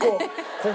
ここ。